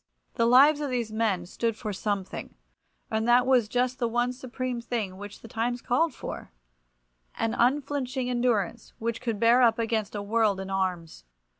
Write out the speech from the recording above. The lives of these men stood for something, and that was just the one supreme thing which the times called for—an unflinching endurance which could bear up against a world in arms.